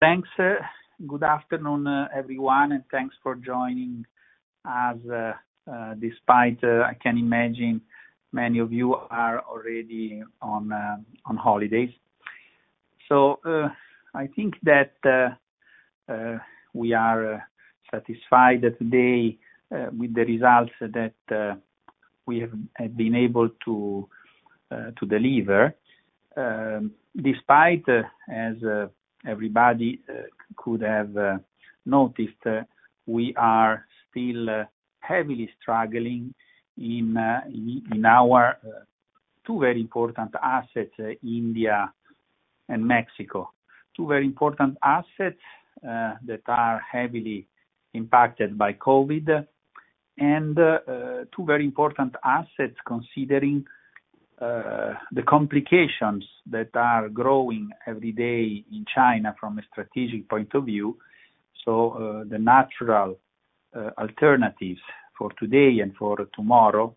Thanks. Good afternoon, everyone, and thanks for joining us, despite I can imagine many of you are already on holidays. I think that we are satisfied today with the results that we have been able to deliver. Despite, as everybody could have noticed, we are still heavily struggling in our two very important assets, India and Mexico. Two very important assets that are heavily impacted by COVID, and two very important assets considering the complications that are growing every day in China from a strategic point of view. The natural alternatives for today and for tomorrow,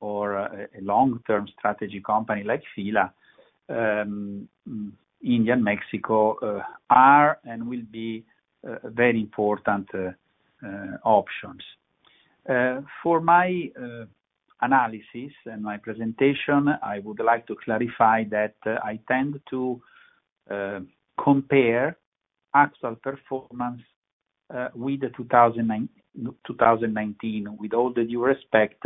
for a long-term strategy company like F.I.L.A., India and Mexico are and will be very important options. For my analysis and my presentation, I would like to clarify that I tend to compare actual performance with 2019. With all due respect,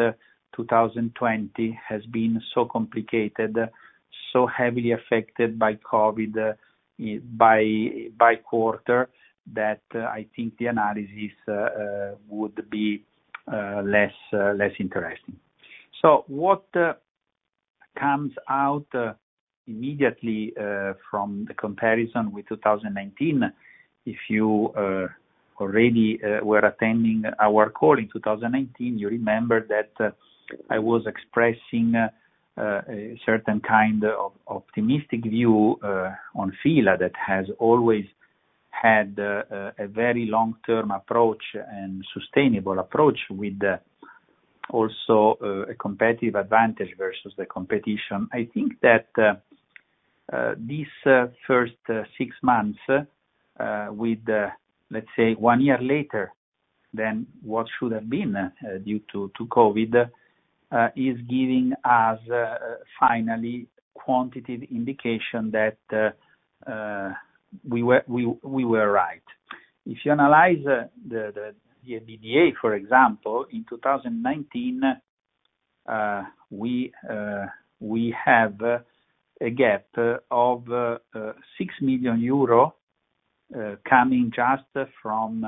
2020 has been so complicated, so heavily affected by COVID by quarter, that I think the analysis would be less interesting. What comes out immediately from the comparison with 2019, if you already were attending our call in 2019, you remember that I was expressing a certain kind of optimistic view on F.I.L.A. that has always had a very long-term approach and sustainable approach with also a competitive advantage versus the competition. I think that these first six months with, let's say, one year later than what should have been due to COVID, is giving us finally quantitative indication that we were right. If you analyze the EBITDA, for example, in 2019, we have a gap of 6 million euro coming just from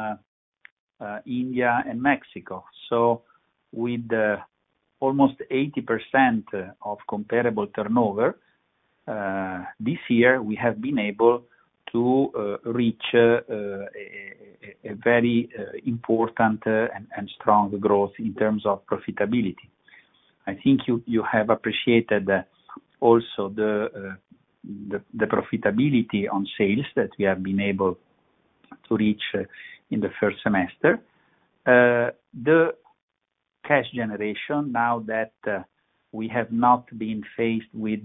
India and Mexico. With almost 80% of comparable turnover this year, we have been able to reach a very important and strong growth in terms of profitability. I think you have appreciated also the profitability on sales that we have been able to reach in the first semester. The cash generation, now that we have not been faced with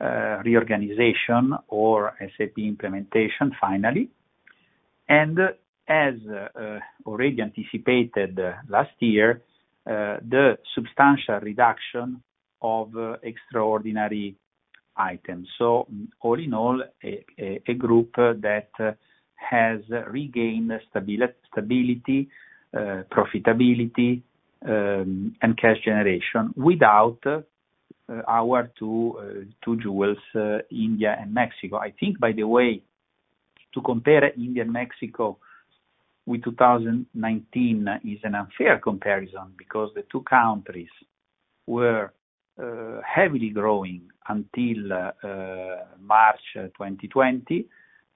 reorganization or SAP implementation, finally. As already anticipated last year, the substantial reduction of extraordinary items. All in all, a group that has regained stability, profitability, and cash generation without our two jewels, India and Mexico. I think, by the way, to compare India and Mexico with 2019 is an unfair comparison, because the two countries were heavily growing until March 2020,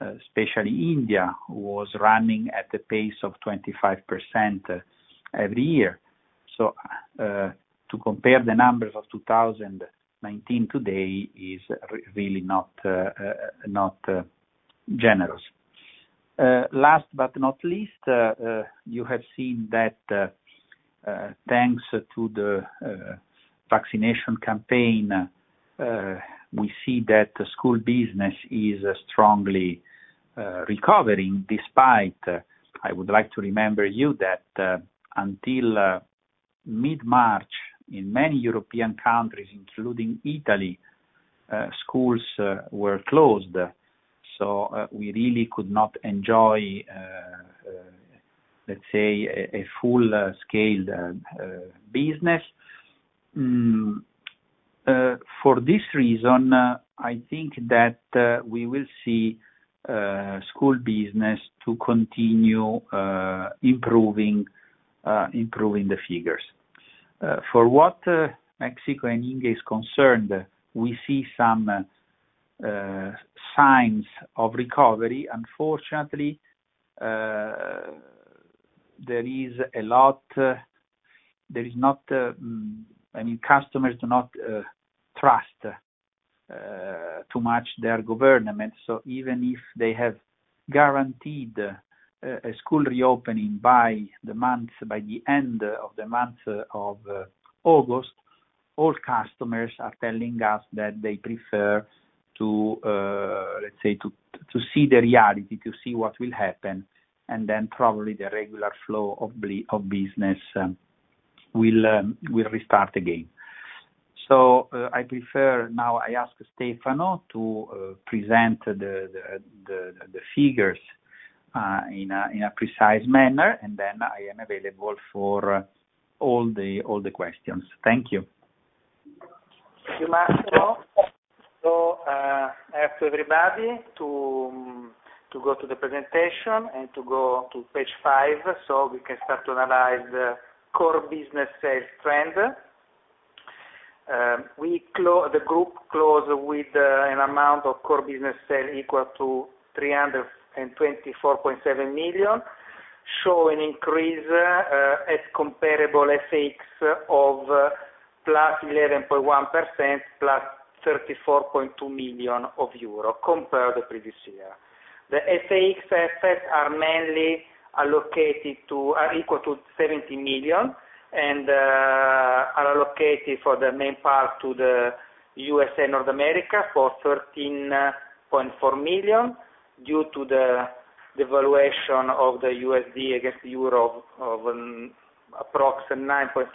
especially India, who was running at the pace of 25% every year. To compare the numbers of 2019 today is really not generous. Last but not least, you have seen that thanks to the vaccination campaign, we see that the school business is strongly recovering, despite I would like to remember you that until mid-March, in many European countries, including Italy, schools were closed. We really could not enjoy, let's say, a full-scaled business. For this reason, I think that we will see school business to continue improving the figures. For what Mexico and India is concerned, we see some signs of recovery. Unfortunately, customers do not trust too much their government. Even if they have guaranteed a school reopening by the end of the month of August. All customers are telling us that they prefer to see the reality, to see what will happen, and then probably the regular flow of business will restart again. Now I ask Stefano to present the figures in a precise manner, and then I am available for all the questions. Thank you. Thank you, Massimo. I ask everybody to go to the presentation and to go to page 5 so we can start to analyze the core business sales trend. The group closed with an amount of core business sales equal to 324.7 million, showing an increase at comparable FX of +11.1%, +34.2 million euro, compared to the previous year. The FX effects are equal to 17 million, and are allocated for the main part to the U.S.A., North America for 13.4 million, due to the devaluation of the USD against the EUR of approximately 9.5%,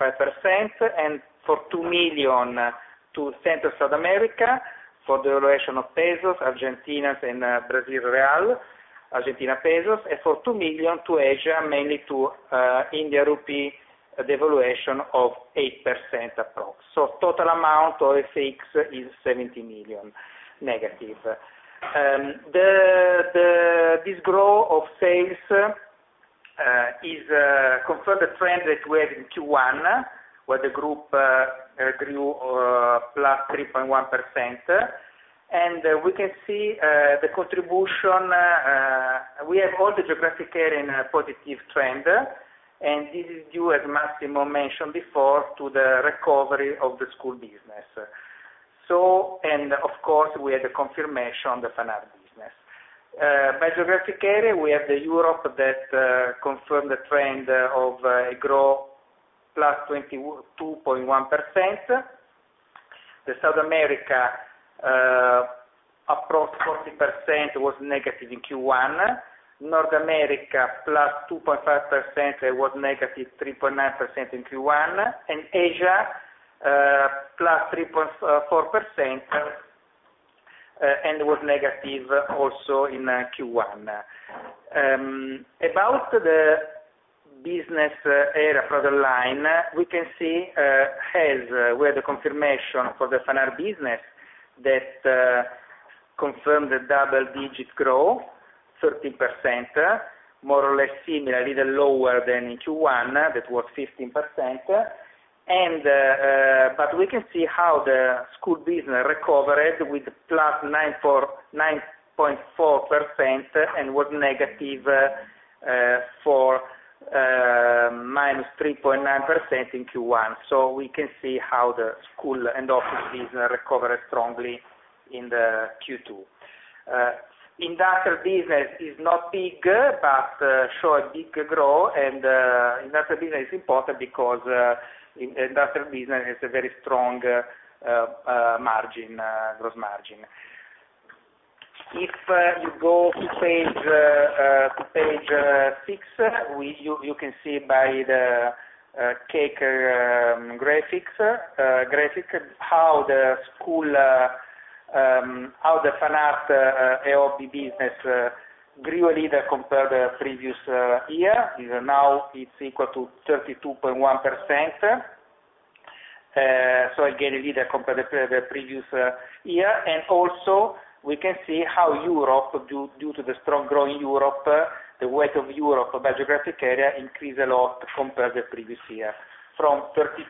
and for 2 million to Central South America for devaluation of pesos, Argentinas, and Brazil real, Argentina pesos, and for 2 million to Asia, mainly to Indian rupee, a devaluation of 8% approx. Total amount of FX is 17 million negative. This growth of sales confirms the trend that we had in Q1, where the group grew +3.1%. We can see the contribution. We have all the geographic area in a positive trend. This is due, as Massimo mentioned before, to the recovery of the school business. Of course, we had a confirmation on the fine art business. By geographic area, we have Europe that confirmed the trend of a growth +22.1%. The South America, approx. 40% was negative in Q1. North America, +2.5%, was -3.9% in Q1. Asia, +3.4%, was negative also in Q1. About the business area for the line, we can see we had the confirmation for the fine art business that confirmed the double-digit growth, 13%, more or less similarly, a little lower than in Q1. That was 15%. We can see how the school business recovered with +9.4% and was negative for -3.9% in Q1. We can see how the school and office business recovered strongly in Q2. Industrial business is not big, but showed big growth. Industrial business is important because industrial business has a very strong growth margin. If you go to page 6, you can see by the cake graphic, how the fine art AOB business grew a little compared to the previous year. Now it's equal to 32.1%. Again, a little compared to the previous year. Also we can see how, due to the strong growth in Europe, the weight of Europe by geographic area increased a lot compared to the previous year, from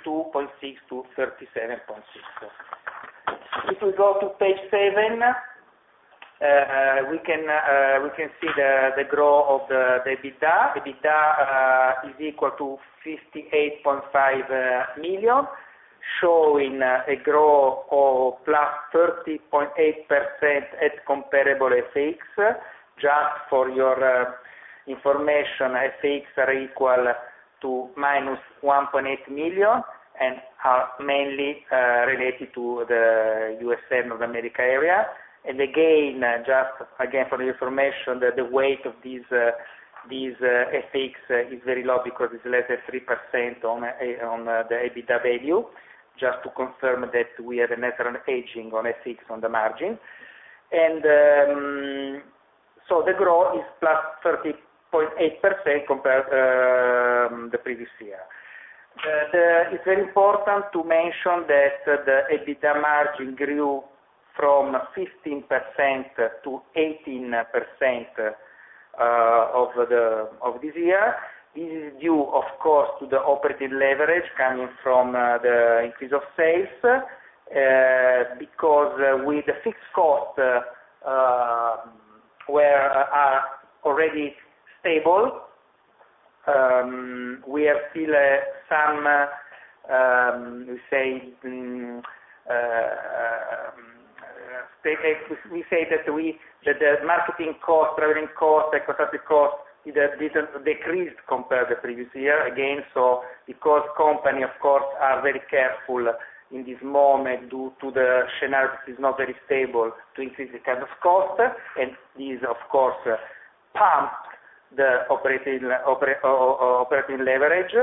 32.6%-37.6%. If we go to page 7, we can see the growth of the EBITDA. The EBITDA is equal to 58.5 million, showing a growth of +30.8% at comparable FX. Just for your information, FX are equal to -1.8 million and are mainly related to the U.S.A. North America area. Again, just for your information, the weight of these FX is very low because it's less than 3% on the EBITDA value, just to confirm that we have a natural hedging on FX on the margin. The growth is +30.8% compared to the previous year. It's very important to mention that the EBITDA margin grew from 15%-18% of this year. This is due, of course, to the operative leverage coming from the increase of sales. Because the fixed costs were already stable, we have still some, we say that the marketing costs, traveling costs, either decreased compared the previous year again. Because company, of course, are very careful in this moment due to the scenario is not very stable to increase the kind of cost, and this, of course, pumped the operating leverage.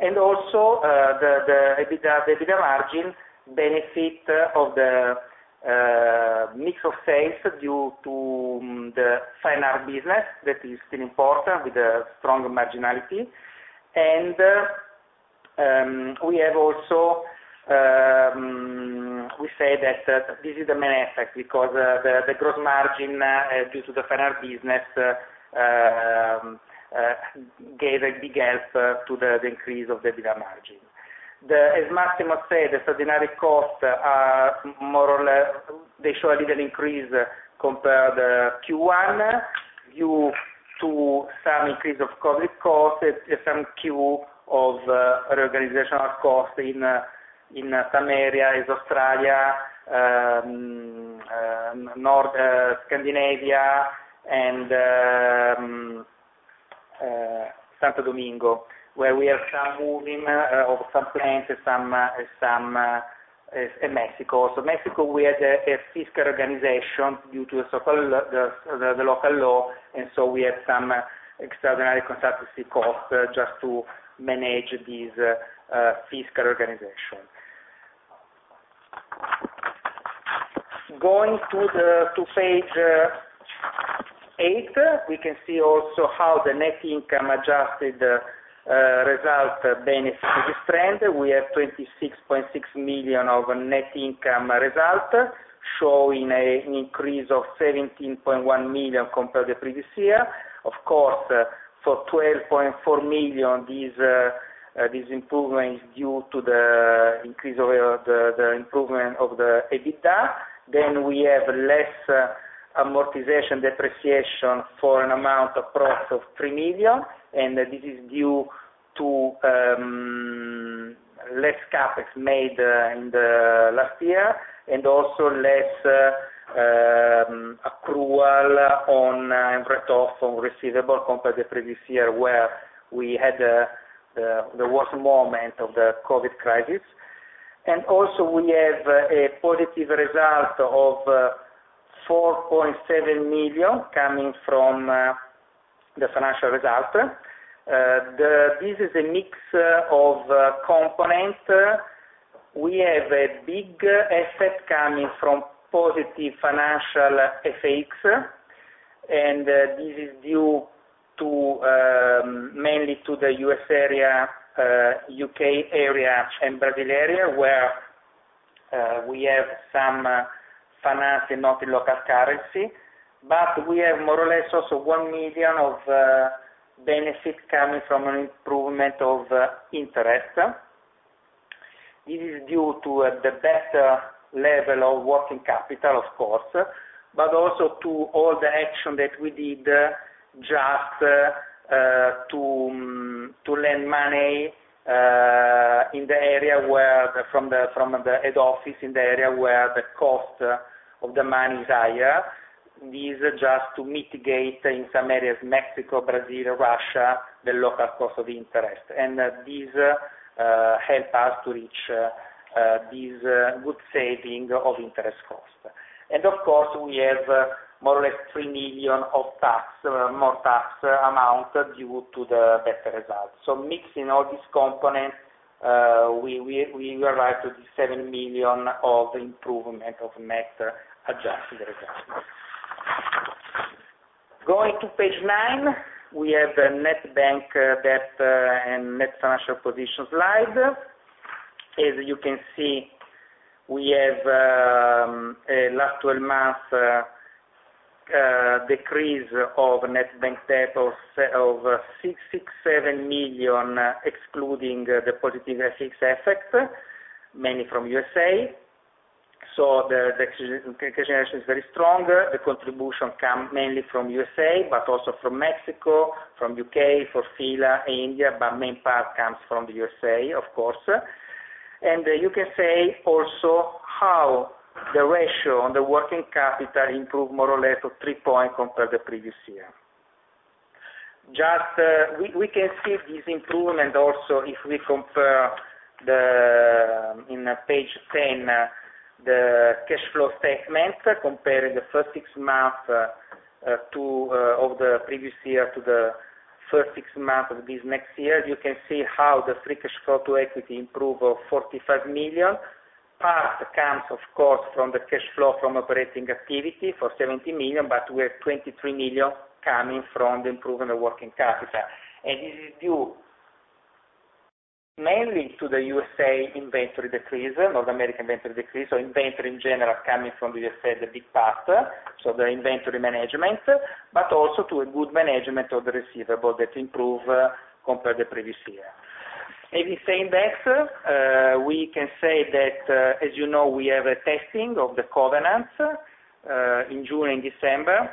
Also, the EBITDA margin benefit of the mix of sales due to the fine art business that is still important with a strong marginality. We say that this is the main effect because the gross margin, due to the fine art business, gave a big help to the increase of the EBITDA margin. As Massimo said, extraordinary costs, more or less, they show a little increase compared Q1 due to some increase of COVID costs, some queue of reorganizational cost in some areas, Australia, North Scandinavia, and Santo Domingo, where we have some moving of some plants, and Mexico. Mexico, we had a fiscal organization due to the local law, and we had some extraordinary consultancy cost just to manage this fiscal organization. Going to page 8, we can see also how the net income adjusted result benefit this trend. We have 26.6 million of net income result, showing an increase of 17.1 million compared to the previous year. Of course, for 12.4 million, this improvement is due to the improvement of the EBITDA. We have less amortization depreciation for an amount approx. of 3 million, and this is due to less CapEx made in the last year, and also less accrual on and write-off on receivable compared to the previous year where we had the worst moment of the COVID crisis. We have a positive result of 4.7 million coming from the financial result. This is a mix of components. We have a big effect coming from positive financial FX. This is due mainly to the U.S. area, U.K. area, and Brazil area, where we have some finance and not in local currency. We have more or less also 1 million of benefit coming from an improvement of interest. This is due to the better level of working capital, of course, but also to all the action that we did just to lend money from the head office in the area where the cost of the money is higher. This is just to mitigate, in some areas, Mexico, Brazil, Russia, the local cost of interest. This help us to reach this good saving of interest cost. Of course, we have more or less 3 million of more tax amount due to the better results. Mixing all these components, we arrive to the 7 million of improvement of net adjusted results. Going to page 9, we have the net bank debt and net financial position slide. As you can see, we have a last 12 months decrease of net bank debt of 6.7 million, excluding the positive FX effect, mainly from U.S.A. The cash generation is very strong. The contribution come mainly from U.S.A., but also from Mexico, from U.K., from F.I.L.A., India, but main part comes from the U.S.A., of course. You can say also how the ratio on the working capital improved more or less of 3 point compared to the previous year. We can see this improvement also if we compare, in page 10, the cash flow statement, comparing the first 6 month of the previous year to the first 6 month of this next year. You can see how the free cash flow to equity improve of 45 million. Part comes, of course, from the cash flow from operating activity for 17 million, we have 23 million coming from the improvement of working capital. This is due mainly to the U.S.A. inventory decrease, North American inventory decrease, or inventory in general coming from the U.S.A., the big part, so the inventory management. Also to a good management of the receivable that improve compared to the previous year. Maybe saying that, we can say that, as you know, we have a testing of the covenants in June and December.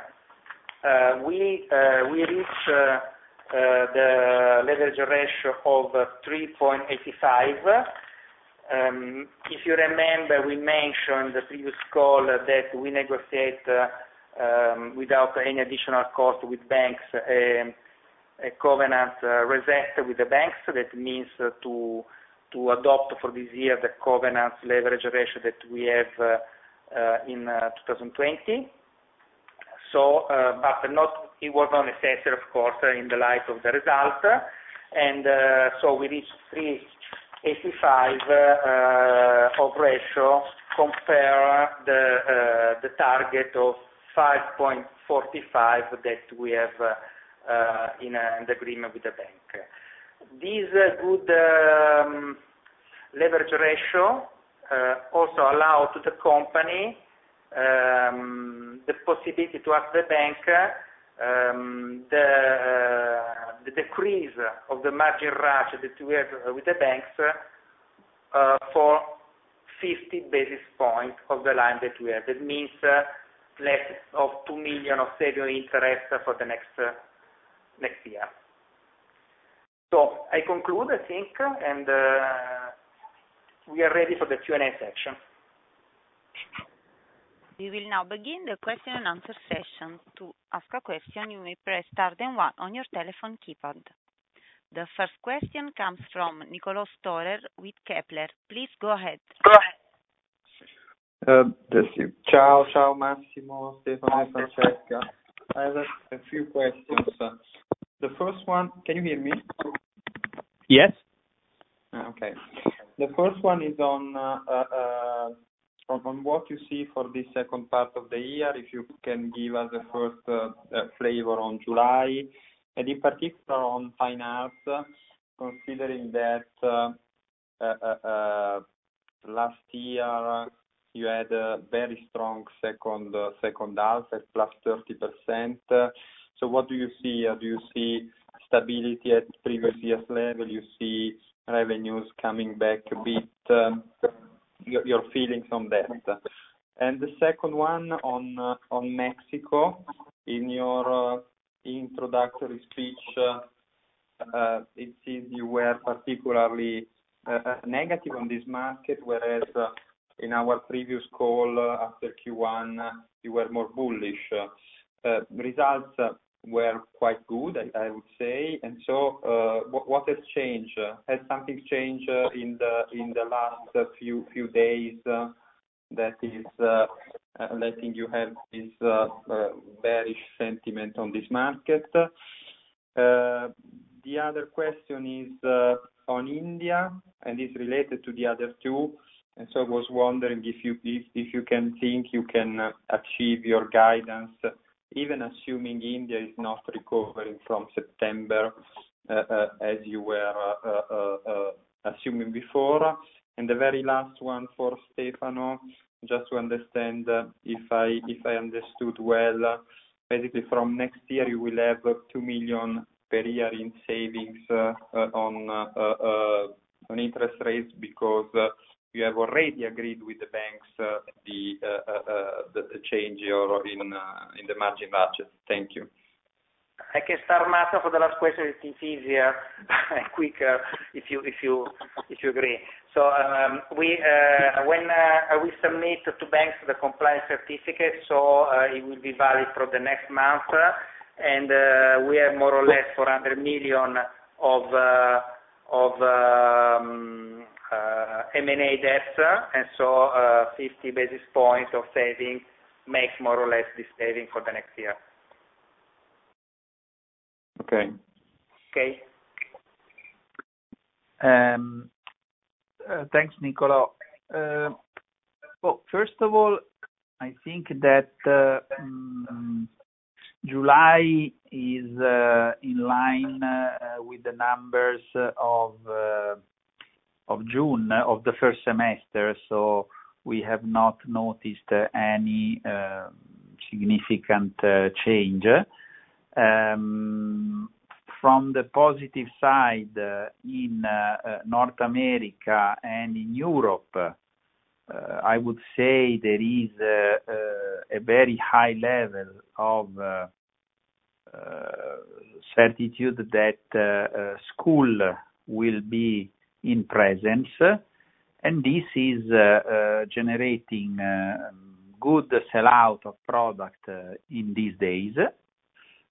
We reach the leverage ratio of 3.85. If you remember, we mentioned the previous call that we negotiate without any additional cost with banks, a covenant reset with the banks. That means to adopt for this year the covenant leverage ratio that we have in 2020. It was unnecessary, of course, in the light of the result. We reached 3.85 of ratio compare the target of 5.45 that we have in agreement with the bank. This good leverage ratio also allow the company the possibility to ask the bank the decrease of the margin ratio that we have with the banks for 50 basis points of the line that we have. That means less of 2 million of saving interest for the next year. I conclude, I think, and we are ready for the Q&A section. We will now begin the question and answer session. To ask a question, you may press star then one on your telephone keypad. The first question comes from Nicolò Storer with Kepler. Please go ahead. Ciao, Massimo, Stefano, Francesca. I have a few questions. The first one. Can you hear me? Yes. Okay. The first one is on what you see for this second part of the year, if you can give us a first flavor on July. In particular on Fine Art, considering that last year you had a very strong second half at +30%. What do you see? Do you see stability at previous year's level? You see revenues coming back a bit? Your feelings on that? The second one on Mexico. In your introductory speech, it seems you were particularly negative on this market, whereas in our previous call after Q1, you were more bullish. Results were quite good, I would say. What has changed? Has something changed in the last few days that is letting you have this bearish sentiment on this market? The other question is on India, and it's related to the other two. I was wondering if you think you can achieve your guidance, even assuming India is not recovering from September, as you were assuming before. The very last one for Stefano, just to understand, if I understood well, basically from next year you will have 2 million per year in savings on interest rates because you have already agreed with the banks the change in the margin budget. Thank you. I can start, Massimo, for the last question. It is easier and quicker, if you agree. When we submit to banks the compliance certificate, so it will be valid for the next month, and we have more or less 400 million of M&A debt. 50 basis points of saving makes more or less this saving for the next year. Okay. Okay. Thanks, Nicolò. First of all, I think that July is in line with the numbers of June, of the first semester. We have not noticed any significant change. From the positive side, in North America and in Europe, I would say there is a very high level of certitude that school will be in presence, and this is generating good sellout of product in these days.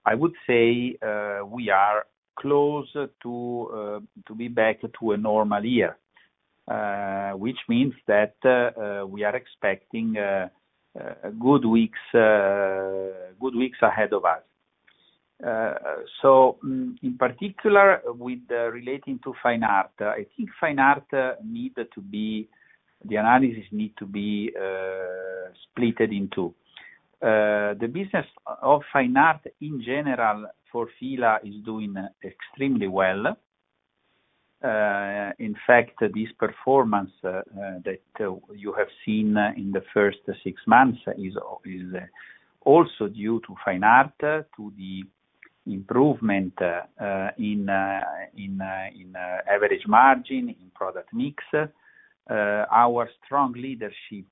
I would say we are close to be back to a normal year, which means that we are expecting good weeks ahead of us. In particular, with relating to Fine Art, I think Fine Art, the analysis need to be splitted in 2. The business of Fine Art in general for F.I.L.A Is doing extremely well. In fact, this performance that you have seen in the first six months is also due to Fine Art, to the improvement in average margin, in product mix. Our strong leadership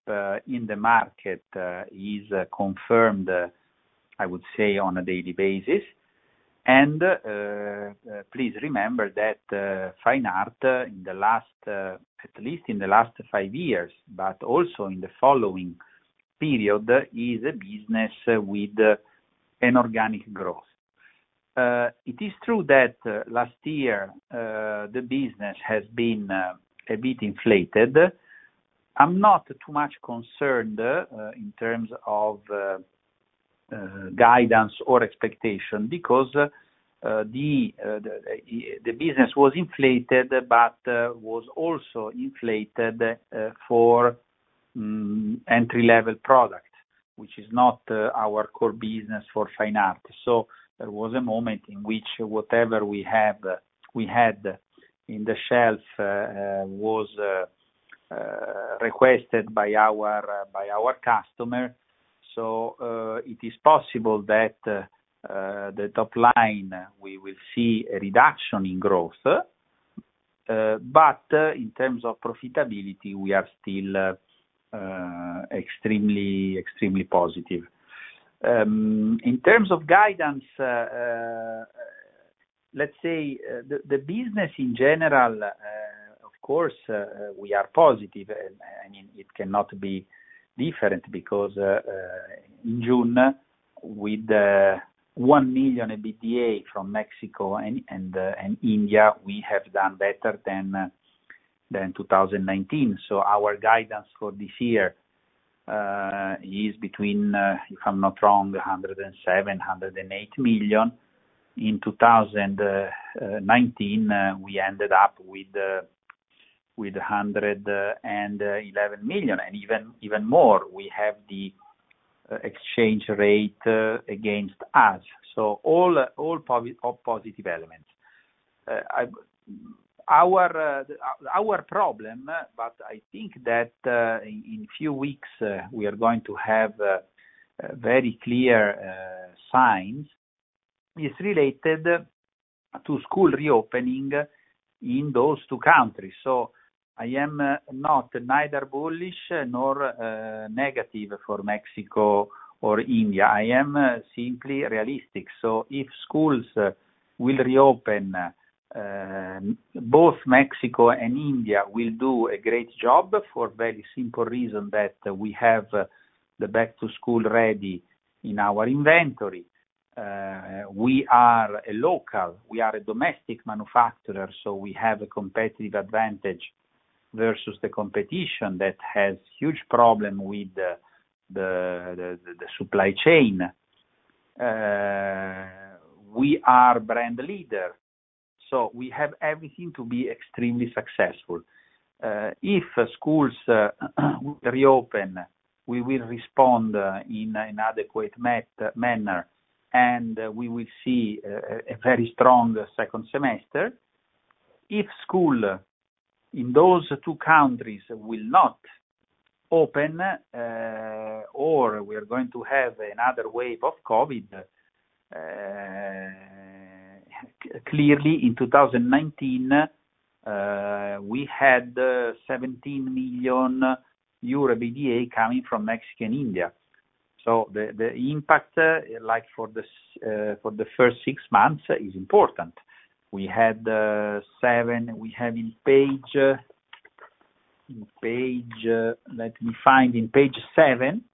in the market is confirmed, I would say, on a daily basis. Please remember that Fine Art, at least in the last five years, but also in the following period, is a business with an organic growth. It is true that last year, the business has been a bit inflated. I'm not too much concerned in terms of guidance or expectation, because the business was inflated, but was also inflated for entry-level product, which is not our core business for Fine Art. There was a moment in which whatever we had in the shelf was requested by our customer. It is possible that the top line, we will see a reduction in growth. In terms of profitability, we are still extremely positive. In terms of guidance, let's say, the business in general, of course, we are positive. It cannot be different because, in June, with 1 million EBITDA from Mexico and India, we have done better than 2019. Our guidance for this year is between, if I'm not wrong, 107 million, 108 million. In 2019, we ended up with 111 million, and even more, we have the exchange rate against us. All positive elements. Our problem, but I think that in few weeks we are going to have very clear signs, is related to school reopening in those two countries. I am not neither bullish nor negative for Mexico or India. I am simply realistic. If schools will reopen, both Mexico and India will do a great job for very simple reason that we have the back to school ready in our inventory. We are a local, we are a domestic manufacturer, so we have a competitive advantage versus the competition that has huge problem with the supply chain. We are brand leader, so we have everything to be extremely successful. If schools will reopen, we will respond in an adequate manner, and we will see a very strong second semester. If school in those two countries will not open, or we are going to have another wave of COVID, clearly, in 2019, we had €17 million EBITDA coming from Mexico and India. The impact for the first six months is important. Let me find, in page 7,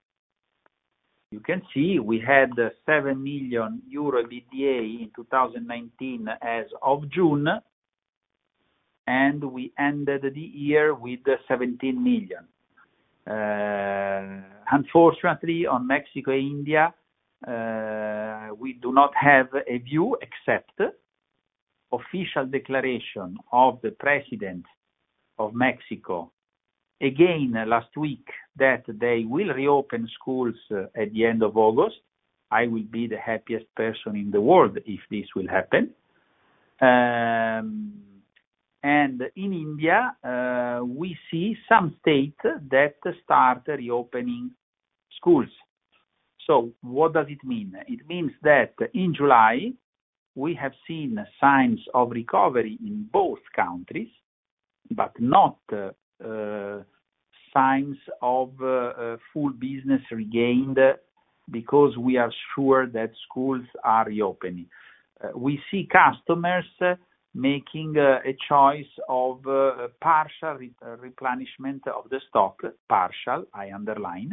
you can see we had 7 million euro EBITDA in 2019 as of June, and we ended the year with 17 million. Unfortunately, on Mexico, India, we do not have a view except official declaration of the president of Mexico, again, last week, that they will reopen schools at the end of August. I will be the happiest person in the world if this will happen. In India, we see some state that start reopening schools. What does it mean? It means that in July, we have seen signs of recovery in both countries, but not signs of full business regained because we are sure that schools are reopening. We see customers making a choice of partial replenishment of the stock. Partial, I underline,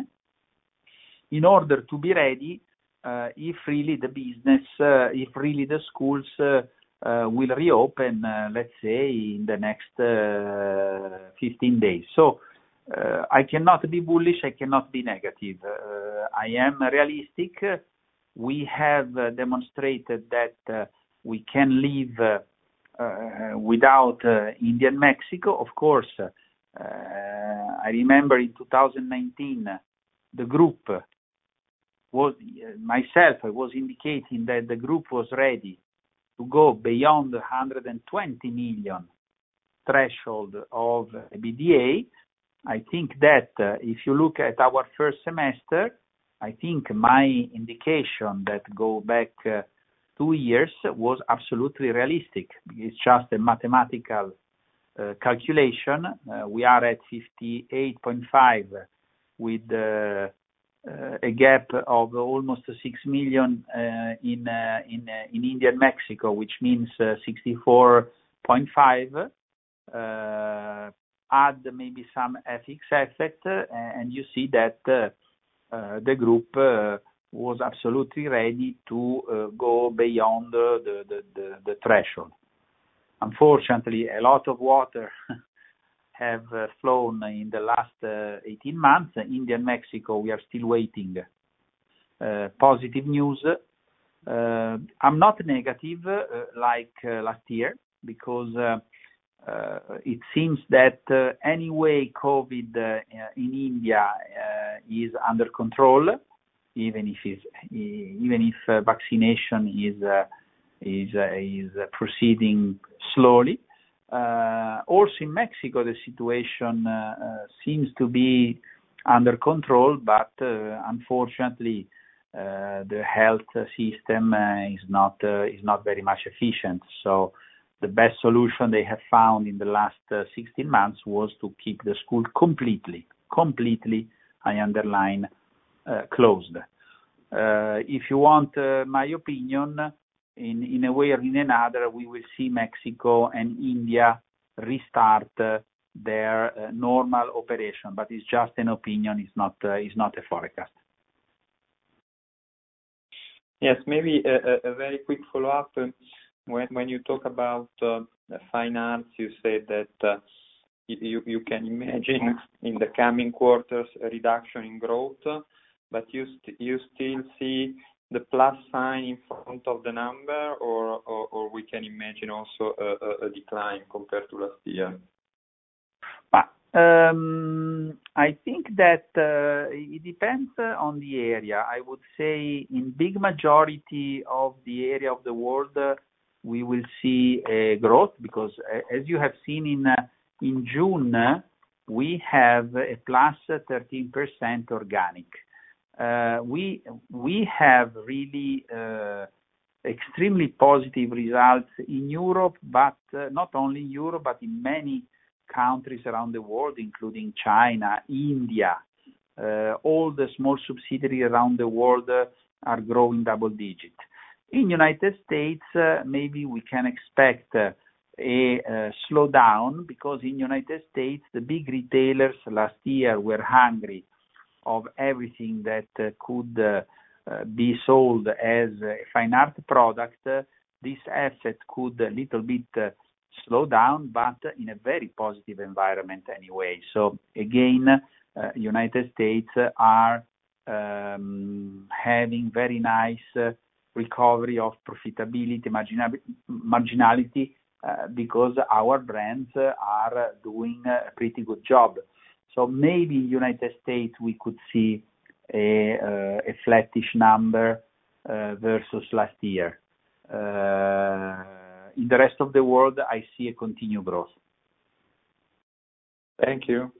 in order to be ready, if really the schools will reopen, let's say, in the next 15 days. I cannot be bullish, I cannot be negative. I am realistic. We have demonstrated that we can live without India and Mexico. Of course, I remember in 2019, myself, I was indicating that the group was ready to go beyond the 120 million threshold of EBITDA. I think that if you look at our first semester, I think my indication that go back 2 years was absolutely realistic. It's just a mathematical calculation. We are at 58.5 with a gap of almost 6 million in India and Mexico, which means 64.5. Add maybe some FX effect, you see that the group was absolutely ready to go beyond the threshold. Unfortunately, a lot of water have flown in the last 18 months. India and Mexico, we are still waiting positive news. I'm not negative like last year because it seems that anyway COVID in India is under control, even if vaccination is proceeding slowly. Also in Mexico, the situation seems to be under control, but unfortunately, the health system is not very much efficient. The best solution they have found in the last 16 months was to keep the school completely, I underline, closed. If you want my opinion, in a way or in another, we will see Mexico and India restart their normal operation. It's just an opinion, it's not a forecast. Yes. Maybe a very quick follow-up. When you talk about finance, you say that you can imagine in the coming quarters a reduction in growth, but you still see the plus sign in front of the number, or we can imagine also a decline compared to last year? I think that it depends on the area. I would say in big majority of the area of the world, we will see a growth because, as you have seen in June, we have a +13% organic. We have really extremely positive results in Europe, but not only in Europe, but in many countries around the world, including China, India. All the small subsidiary around the world are growing double-digit. In United States, maybe we can expect a slowdown, because in United States, the big retailers last year were hungry of everything that could be sold as a fine art product. This aspect could a little bit slow down, but in a very positive environment anyway. Again, United States are having very nice recovery of profitability, marginality, because our brands are doing a pretty good job. Maybe U.S., we could see a flattish number versus last year. In the rest of the world, I see a continued growth. Thank you.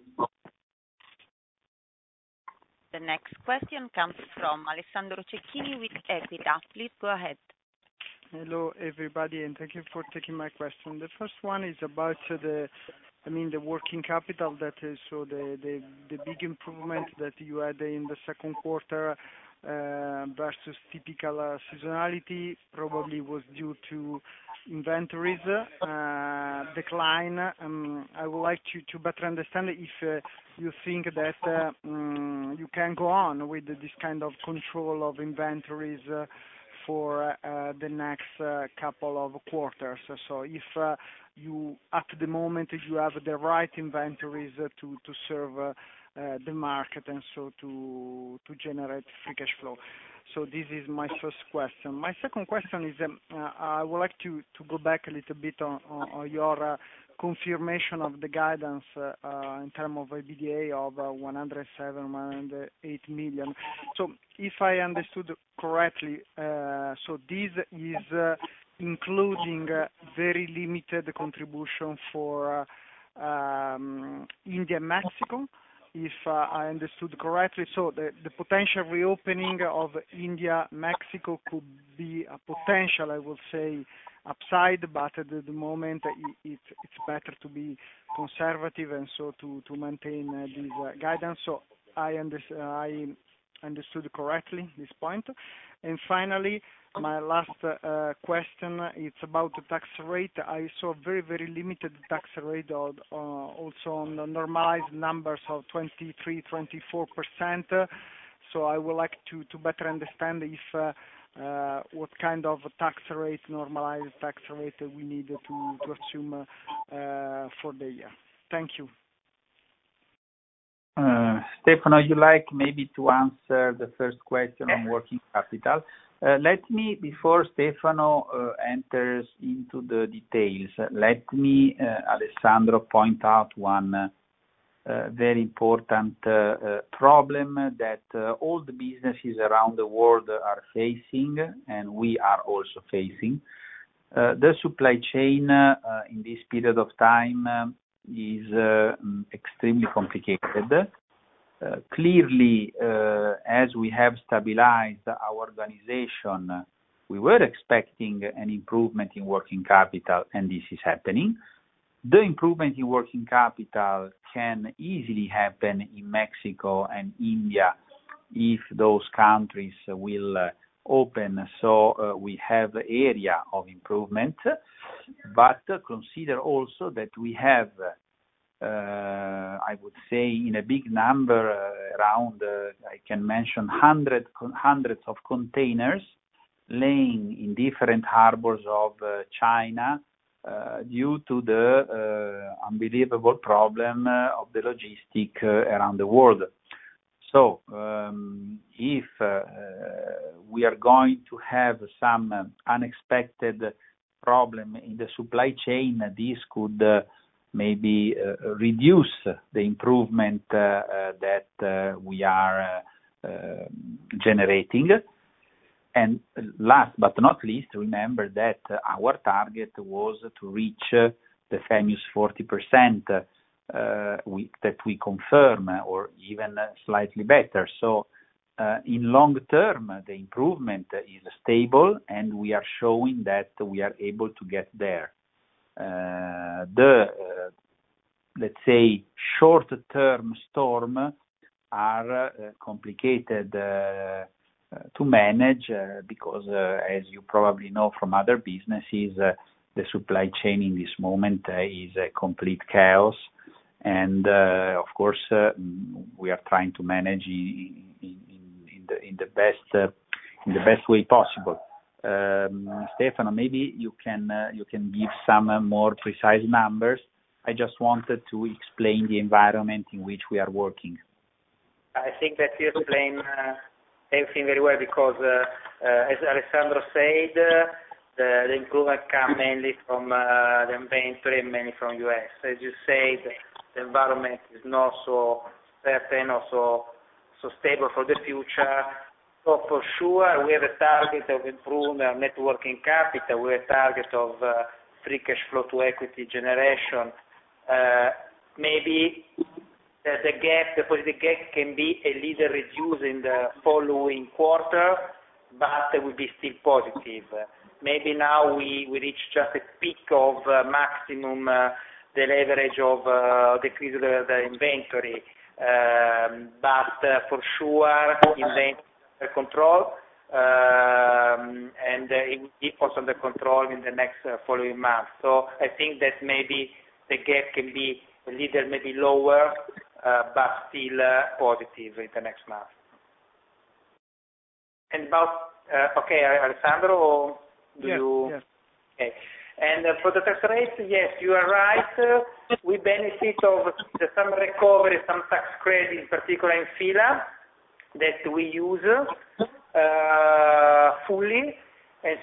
The next question comes from Alessandro Cecchini with Equita. Please go ahead. Hello, everybody. Thank you for taking my question. The first one is about the working capital that I saw the big improvement that you had in the second quarter versus typical seasonality probably was due to inventories decline. I would like to better understand if you think that you can go on with this kind of control of inventories for the next couple of quarters. At the moment, if you have the right inventories to serve the market, to generate free cash flow? This is my first question. My second question is, I would like to go back a little bit on your confirmation of the guidance, in term of EBITDA of 107 million-108 million. If I understood correctly, this is including very limited contribution for India and Mexico? If I understood correctly. The potential reopening of India, Mexico could be a potential, I would say upside, but at the moment, it's better to be conservative and so to maintain this guidance. I understood correctly this point? Finally, my last question is about the tax rate. I saw very limited tax rate also on the normalized numbers of 23%-24%. I would like to better understand what kind of tax rate, normalized tax rate, we need to presume for the year. Thank you. Stefano, you like maybe to answer the first question on working capital? Before Stefano enters into the details, let me, Alessandro, point out a very important problem that all the businesses around the world are facing, and we are also facing. The supply chain in this period of time is extremely complicated. Clearly, as we have stabilized our organization, we were expecting an improvement in working capital, and this is happening. The improvement in working capital can easily happen in Mexico and India if those countries will open. We have area of improvement. Consider also that we have, I would say in a big number, around, I can mention hundreds of containers laying in different harbors of China, due to the unbelievable problem of the logistics around the world. If we are going to have some unexpected problem in the supply chain, this could maybe reduce the improvement that we are generating. Last but not least, remember that our target was to reach the famous 40% that we confirm, or even slightly better. In long term, the improvement is stable, and we are showing that we are able to get there. The let's say, short-term storm are complicated to manage, because, as you probably know from other businesses, the supply chain in this moment is a complete chaos. Of course, we are trying to manage in the best way possible. Stefano, maybe you can give some more precise numbers. I just wanted to explain the environment in which we are working. I think that you explained everything very well because, as Alessandro said, the improvement come mainly from the inventory and mainly from U.S. As you said, the environment is not so certain or so stable for the future. For sure, we have a target of improved net working capital. We have a target of free cash flow to equity generation. Maybe the gap can be a little reduced in the following quarter, but it will be still positive. Maybe now we reach just a peak of maximum, the leverage of decrease the inventory. For sure, inventory under control, and it will be also under control in the next following months. I think that maybe the gap can be a little maybe lower, but still positive in the next months. About Okay, Alessandro, do you- Yes. Okay. For the tax rate, yes, you are right. We benefit of the summer recovery, some tax credit, in particular in F.I.L.A., that we use fully. I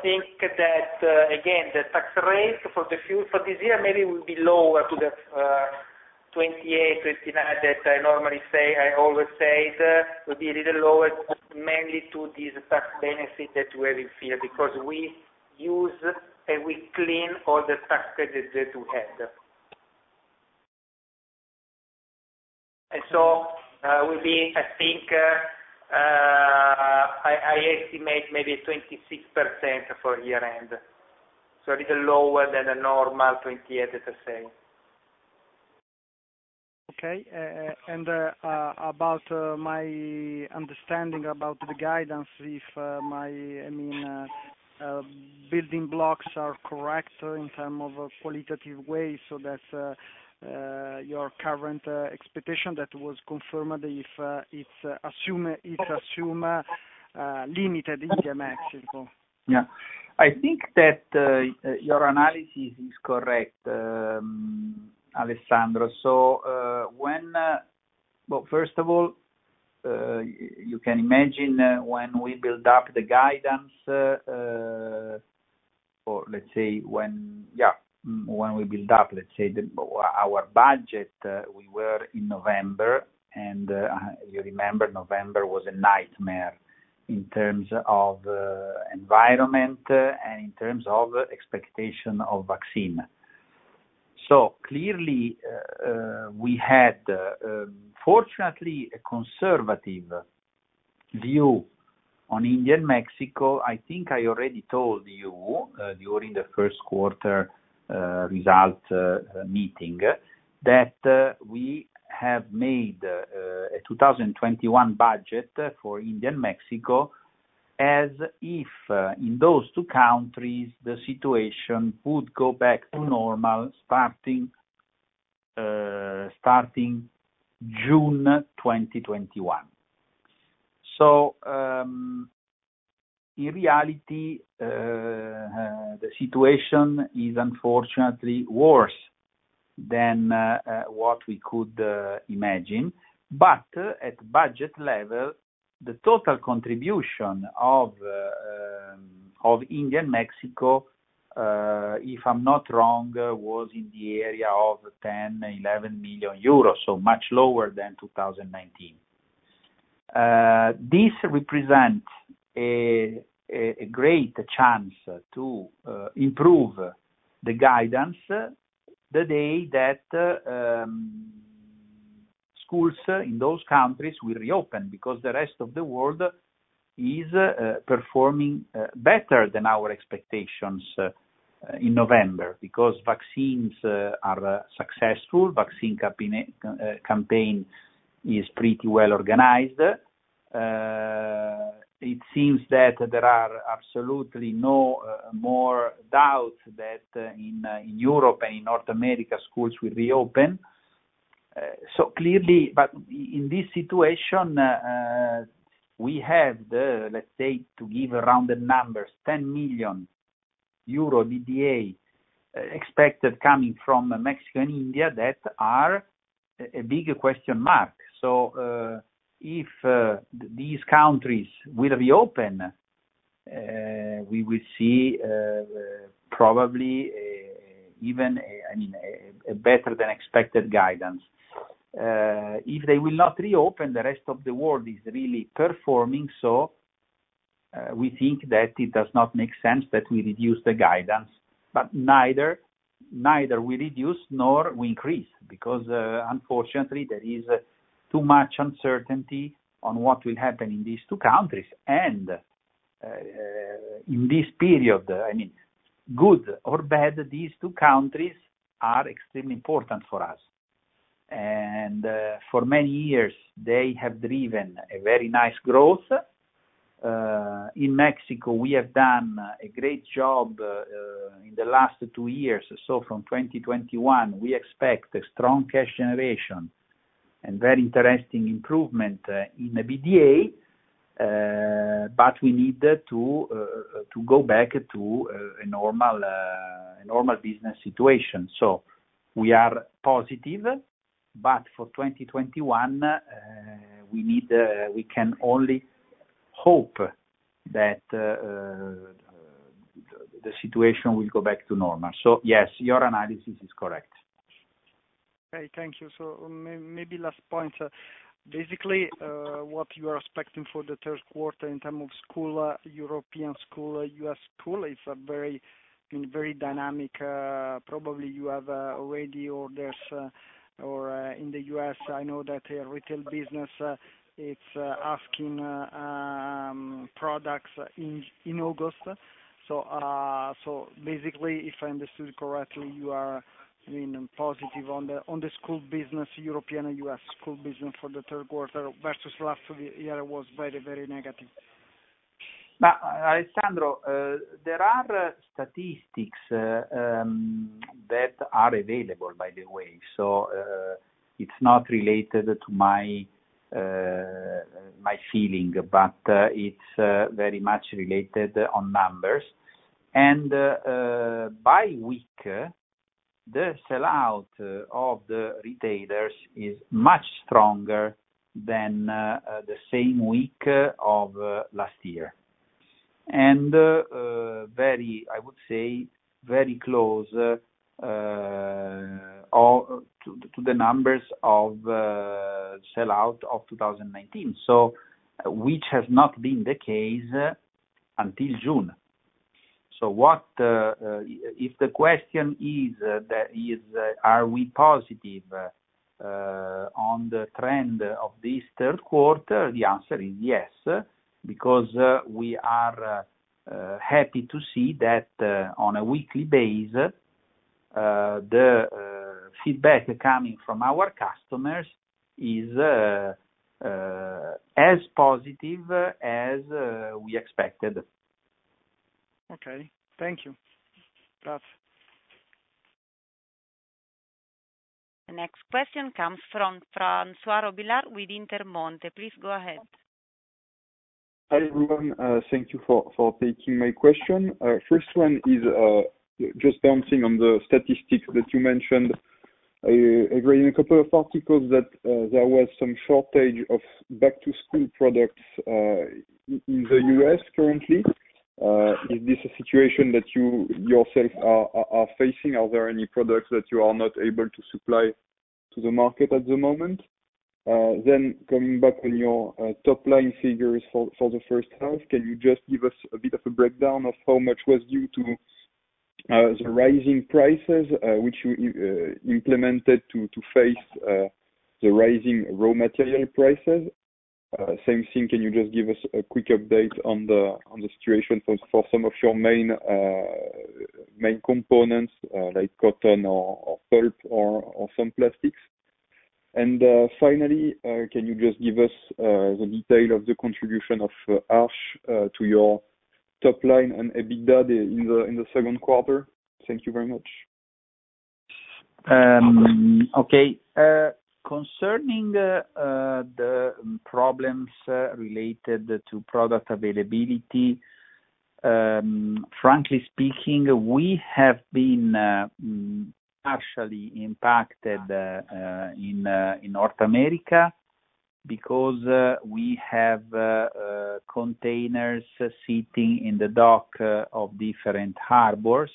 think that, again, the tax rate for this year maybe will be lower to the 28%, 29% that I normally say, I always said. Will be a little lower, mainly to this tax benefit that we have in F.I.L.A., because we use and we clean all the tax credit that we had. Will be, I think, I estimate maybe 26% for year-end, so a little lower than the normal 28% that I say. Okay. About my understanding about the guidance, if my building blocks are correct in terms of a qualitative way, so that your current expectation that was confirmed, if it assume limited India and Mexico. I think that your analysis is correct, Alessandro. First of all, you can imagine when we build up the guidance, or let's say when we build up our budget, we were in November, and you remember November was a nightmare in terms of environment and in terms of expectation of vaccine. Clearly, we had, fortunately, a conservative view on India and Mexico. I think I already told you during the first quarter result meeting that we have made a 2021 budget for India and Mexico as if in those two countries, the situation would go back to normal starting June 2021. In reality, the situation is unfortunately worse than what we could imagine. At budget level, the total contribution of India and Mexico, if I'm not wrong, was in the area of 10 million-11 million euros, much lower than 2019. This represents a great chance to improve the guidance the day that schools in those countries will reopen, because the rest of the world is performing better than our expectations in November, because vaccines are successful. Vaccine campaign is pretty well organized. It seems that there are absolutely no more doubts that in Europe and in North America, schools will reopen. In this situation, we have, let's say, to give rounded numbers, 10 million euro EBITDA expected coming from Mexico and India that are a big question mark. If these countries will reopen, we will see probably even a better-than-expected guidance. If they will not reopen, the rest of the world is really performing, we think that it does not make sense that we reduce the guidance. Neither we reduce nor we increase, because unfortunately, there is too much uncertainty on what will happen in these two countries. In this period, good or bad, these two countries are extremely important for us. For many years, they have driven a very nice growth. In Mexico, we have done a great job in the last two years. From 2021, we expect strong cash generation and very interesting improvement in the EBITDA, but we need to go back to a normal business situation. We are positive, but for 2021, we can only hope that the situation will go back to normal. Yes, your analysis is correct. Okay, thank you. Maybe last point. Basically, what you are expecting for the third quarter in terms of European school, U.S. school, it's been very dynamic. Probably you have already orders. In the U.S., I know that retail business is asking products in August. Basically, if I understood correctly, you are being positive on the school business, European and U.S. school business for the third quarter versus last year was very, very negative. Alessandro, there are statistics that are available, by the way. It's not related to my feeling, but it's very much related on numbers. By week, the sellout of the retailers is much stronger than the same week of last year. I would say, very close to the numbers of sellout of 2019, which has not been the case until June. If the question is that, are we positive on the trend of this third quarter? The answer is yes, because we are happy to see that on a weekly basis, the feedback coming from our customers is as positive as we expected. Okay. Thank you. That's. The next question comes from François Robillard with Intermonte. Please go ahead. Hi, everyone. Thank you for taking my question. First one is just bouncing on the statistics that you mentioned. I read in a couple of articles that there was some shortage of back-to-school products in the U.S. currently. Is this a situation that you yourself are facing? Are there any products that you are not able to supply to the market at the moment? Coming back on your top-line figures for the first half, can you just give us a bit of a breakdown of how much was due to the rising prices, which you implemented to face the rising raw material prices? Same thing, can you just give us a quick update on the situation for some of your main components, like cotton or pulp or some plastics? Finally, can you just give us the detail of the contribution of Arches to your top line and EBITDA in the second quarter? Thank you very much. Okay. Concerning the problems related to product availability, frankly speaking, we have been actually impacted in North America because we have containers sitting in the dock of different harbors.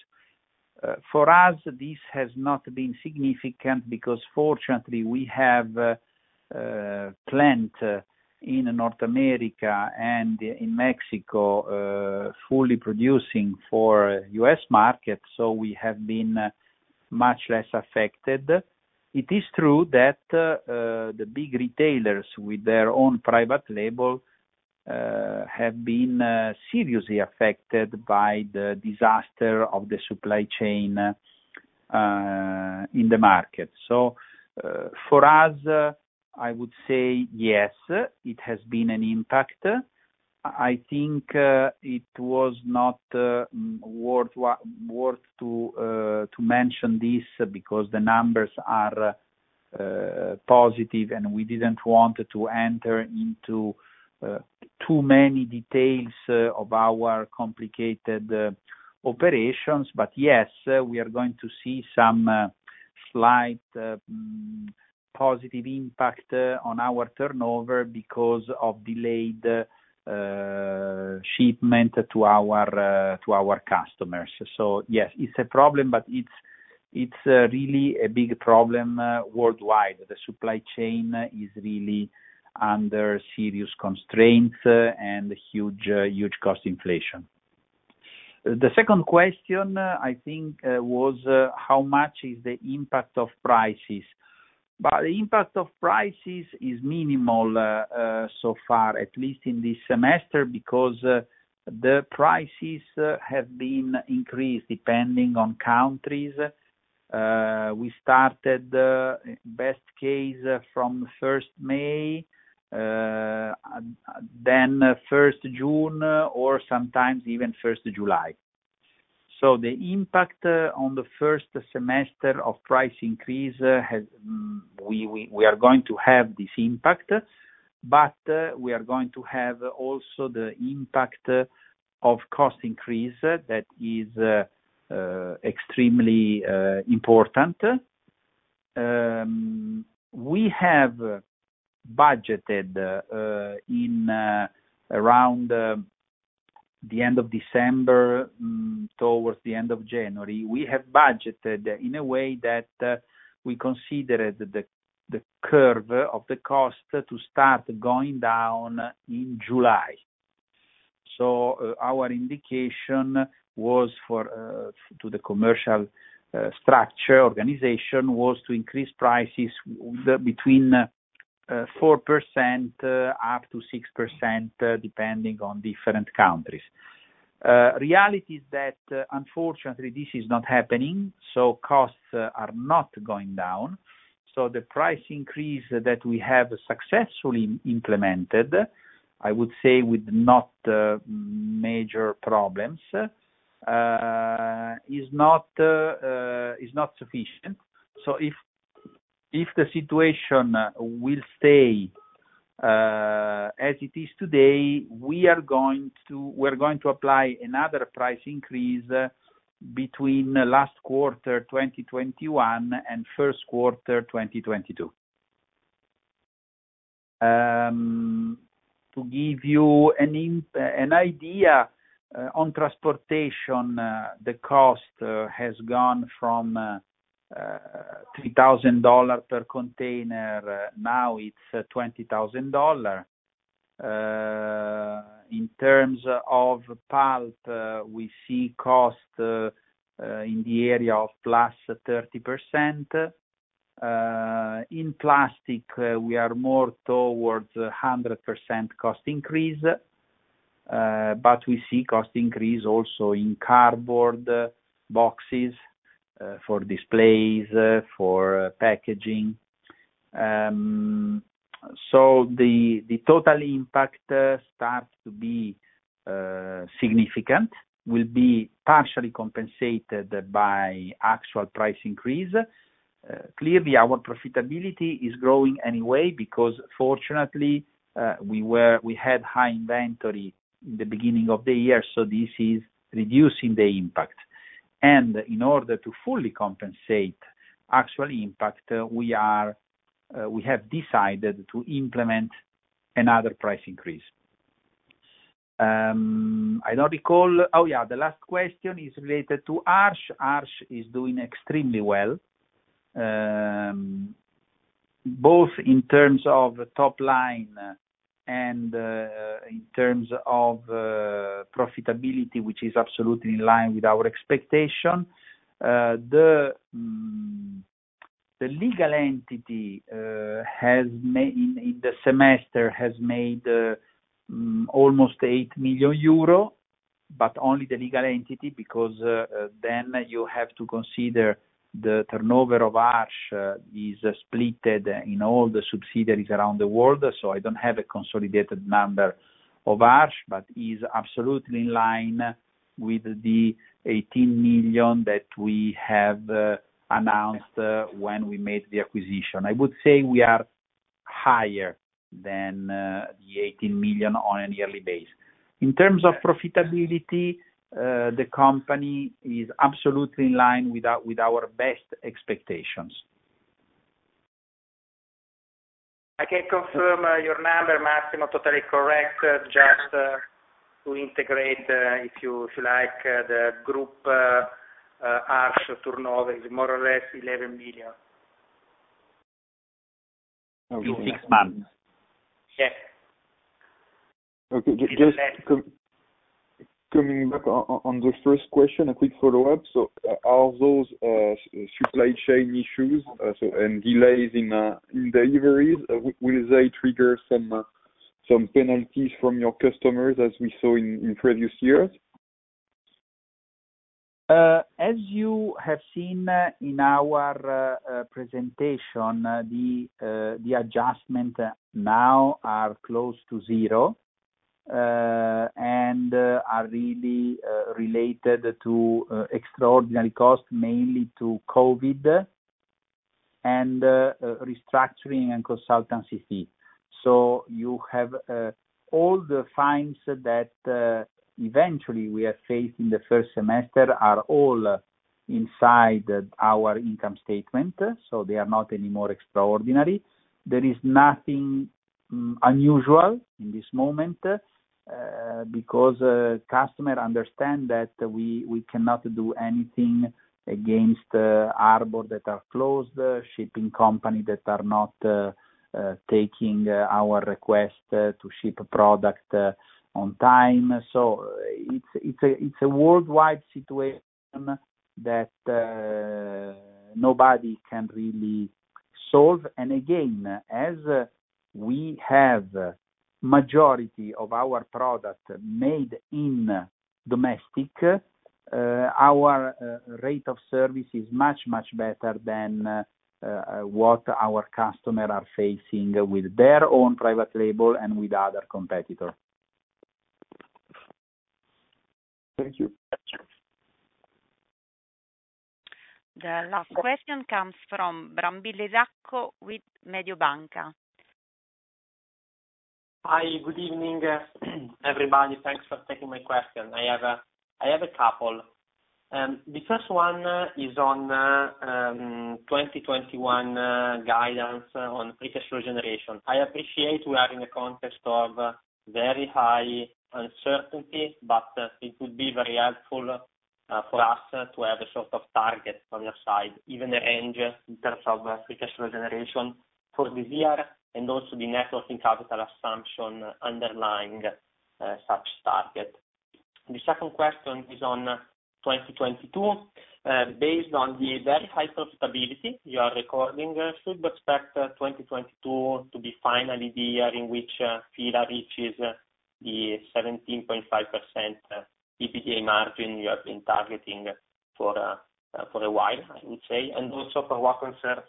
For us, this has not been significant because fortunately, we have a plant in North America and in Mexico, fully producing for U.S. market, so we have been much less affected. It is true that the big retailers with their own private label have been seriously affected by the disaster of the supply chain in the market. For us, I would say yes, it has been an impact. I think it was not worth to mention this because the numbers are positive, and we didn't want to enter into too many details of our complicated operations. Yes, we are going to see some slight positive impact on our turnover because of delayed shipment to our customers. Yes, it's a problem, but it's really a big problem worldwide. The supply chain is really under serious constraints and huge cost inflation. The second question, I think, was how much is the impact of prices? The impact of prices is minimal so far, at least in this semester, because the prices have been increased depending on countries. We started best case from 1st May, then 1st June, or sometimes even 1st July. The impact on the first semester of price increase, we are going to have this impact. We are going to have also the impact of cost increase that is extremely important. We have budgeted in around the end of December, towards the end of January. We have budgeted in a way that we considered the curve of the cost to start going down in July. Our indication to the commercial structure organization was to increase prices between 4% up to 6%, depending on different countries. Reality is that, unfortunately, this is not happening, so costs are not going down. The price increase that we have successfully implemented, I would say with no major problems, is not sufficient. If the situation will stay as it is today, we're going to apply another price increase between last quarter 2021 and first quarter 2022. To give you an idea, on transportation, the cost has gone from $3,000 per container, now it's $20,000. In terms of pulp, we see cost in the area of +30%. In plastic, we are more towards 100% cost increase. We see cost increase also in cardboard boxes for displays, for packaging. The total impact starts to be significant, will be partially compensated by actual price increase. Our profitability is growing anyway because fortunately, we had high inventory in the beginning of the year, this is reducing the impact. In order to fully compensate actual impact, we have decided to implement another price increase. I don't recall. Oh, yeah, the last question is related to Arches. Arches is doing extremely well, both in terms of top line and in terms of profitability, which is absolutely in line with our expectation. The legal entity in the semester has made almost 8 million euro, only the legal entity because you have to consider the turnover of Arches is splitted in all the subsidiaries around the world. I don't have a consolidated number of Arches, is absolutely in line with the 18 million that we have announced when we made the acquisition. I would say we are higher than 18 million on a yearly base. In terms of profitability, the company is absolutely in line with our best expectations. I can confirm your number, Massimo, totally correct. Just to integrate, if you like, the group H1 turnover is more or less 11 million. Okay. In six months. Yes. Okay. Just coming back on the first question, a quick follow-up. Are those supply chain issues and delays in deliveries, will they trigger some penalties from your customers as we saw in previous years? As you have seen in our presentation, the adjustment now are close to 0, and are really related to extraordinary costs, mainly to COVID, and restructuring and consultancy fee. You have all the fines that eventually we are facing the 1st semester are all inside our income statement, so they are not any more extraordinary. There is nothing unusual in this moment, because customer understand that we cannot do anything against harbor that are closed, shipping company that are not taking our request to ship product on time. It's a worldwide situation that nobody can really solve. Again, as we have majority of our product made in domestic, our rate of service is much, much better than what our customer are facing with their own private label and with other competitor. Thank you. Thank you. The last question comes from Isacco Brambilla with Mediobanca. Hi, good evening, everybody. Thanks for taking my question. I have a couple. The first one is on 2021 guidance on free cash flow generation. I appreciate we are in a context of very high uncertainty, but it would be very helpful for us to have a sort of target from your side, even a range in terms of free cash flow generation for this year, and also the net working capital assumption underlying such target. The second question is on 2022. Based on the very high profitability you are recording, should we expect 2022 to be finally the year in which F.I.L.A. reaches the 17.5% EBITDA margin you have been targeting for a while, I would say? Also for what concerns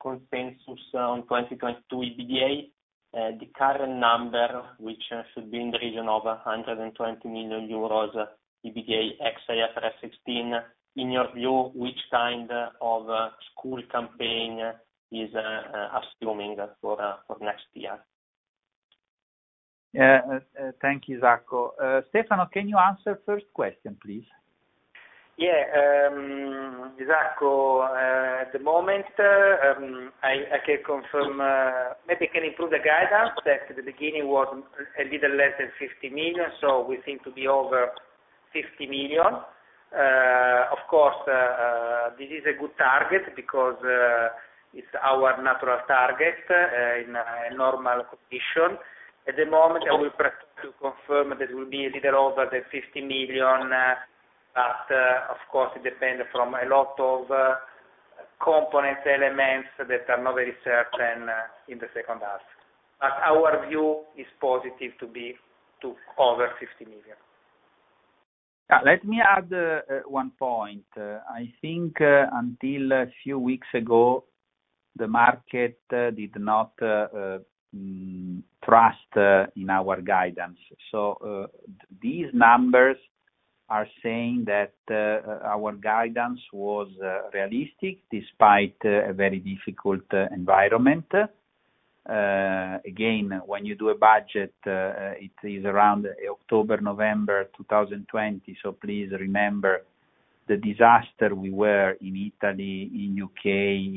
consensus on 2022 EBITDA, the current number, which should be in the region of 120 million euros EBITDA ex IFRS 16. In your view, which kind of school campaign is assuming for next year? Thank you, Isacco. Stefano, can you answer first question, please? Isacco, at the moment, I can confirm, maybe I can improve the guidance that at the beginning was a little less than 50 million. We seem to be over 50 million. Of course, this is a good target because it's our natural target in a normal condition. At the moment, I will proceed to confirm that it will be a little over the 50 million. Of course, it depend from a lot of component elements that are not very certain in the second half. Our view is positive to be over 50 million. Let me add one point. I think until a few weeks ago, the market did not trust in our guidance. These numbers are saying that our guidance was realistic despite a very difficult environment. Again, when you do a budget, it is around October, November 2020. Please remember the disaster we were in Italy, in U.K.,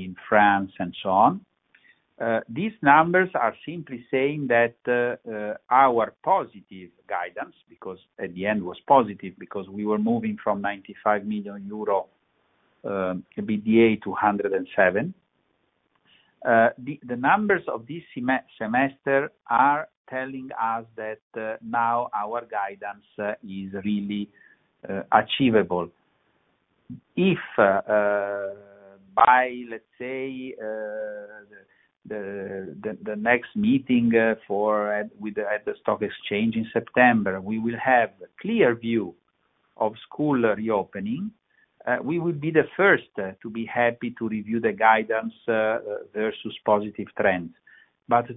in France, and so on. These numbers are simply saying that our positive guidance, because at the end was positive because we were moving from 95 million euro EBITDA to 107 million EBITDA. The numbers of this semester are telling us that now our guidance is really achievable. If by, let's say, the next meeting with the stock exchange in September, we will have clear view of school reopening, we would be the first to be happy to review the guidance versus positive trends.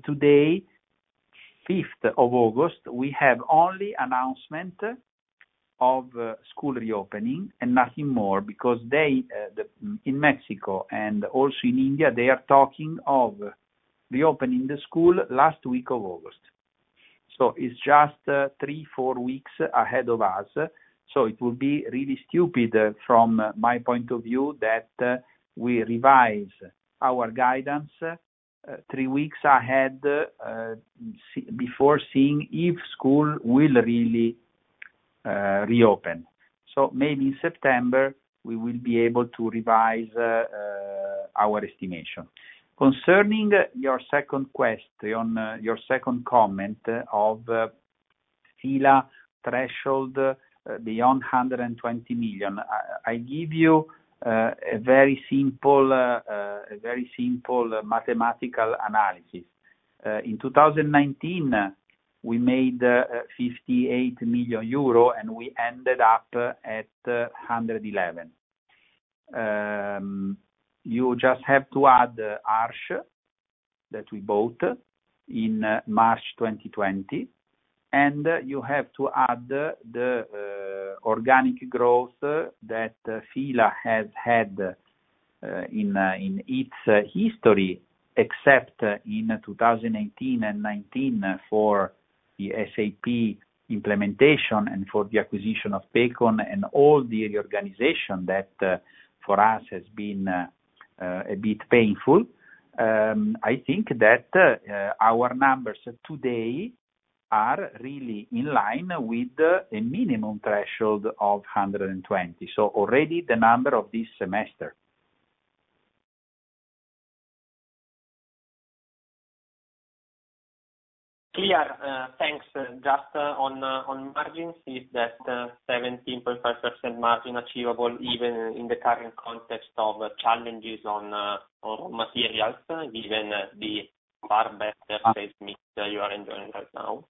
Today, 5th of August, we have only announcement of school reopening and nothing more because in Mexico and also in India, they are talking of reopening the school last week of August. It's just 3, 4 weeks ahead of us. It will be really stupid from my point of view that we revise our guidance 3 weeks ahead, before seeing if school will really reopen. Maybe in September we will be able to revise our estimation. Concerning your second comment of F.I.L.A threshold beyond 120 million, I give you a very simple mathematical analysis. In 2019, we made 58 million euro, and we ended up at 111 million. You just have to add Arches that we bought in March 2020. You have to add the organic growth that F.I.L.A. has had in its history, except in 2018 and 2019 for the SAP implementation and for the acquisition of Pacon and all the reorganization that for us has been a bit painful. I think that our numbers today are really in line with a minimum threshold of 120. Already the number of this semester. Clear. Thanks. Just on margins, is that 17.5% margin achievable even in the current context of challenges on materials, given the far better price mix that you are enjoying right now?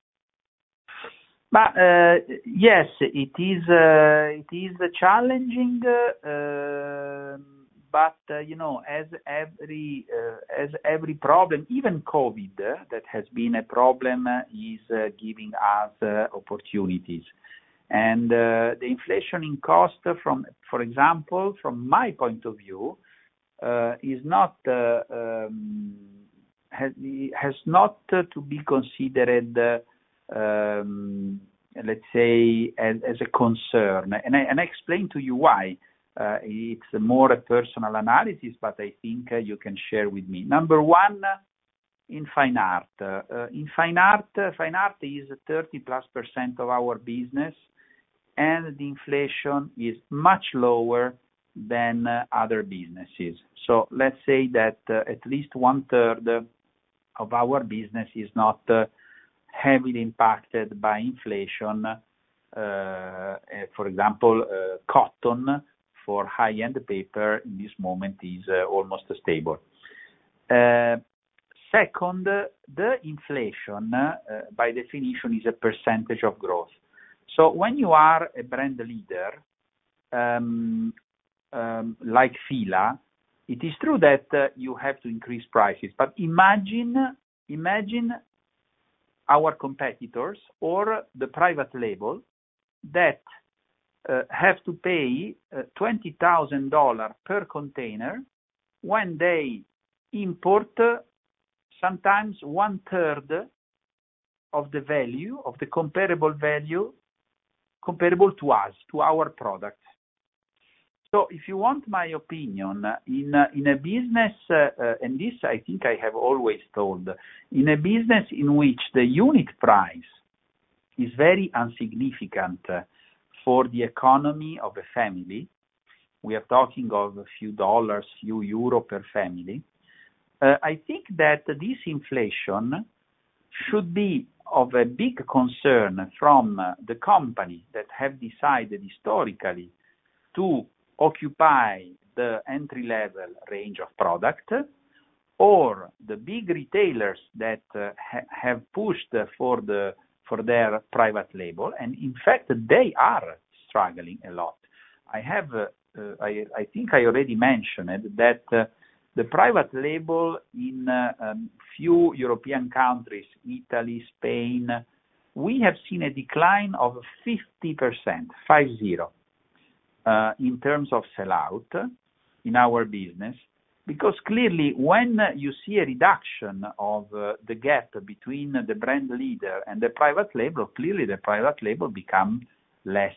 Yes. It is challenging, but as every problem, even COVID, that has been a problem, is giving us opportunities. The inflation in cost, for example, from my point of view, has not to be considered, let's say, as a concern. I explain to you why. It's more a personal analysis, but I think you can share with me. Number one, in Fine Art. Fine Art is +30% of our business, and the inflation is much lower than other businesses. Let's say that at least one-third of our business is not heavily impacted by inflation. For example, cotton for high-end paper in this moment is almost stable. Second, the inflation, by definition, is a % of growth. When you are a brand leader, like F.I.L.A., it is true that you have to increase prices. Imagine our competitors or the private label that have to pay $20,000 per container when they import sometimes 1/3 of the comparable value comparable to us, to our product. If you want my opinion, and this I think I have always told, in a business in which the unit price is very insignificant for the economy of a family, we are talking of a few USD, few EUR per family. I think that this inflation should be of a big concern from the company that have decided historically to occupy the entry-level range of product, or the big retailers that have pushed for their private label. In fact, they are struggling a lot. I think I already mentioned it, that the private label in a few European countries, Italy, Spain, we have seen a decline of 50% in terms of sell-out in our business. Clearly, when you see a reduction of the gap between the brand leader and the private label, clearly the private label become less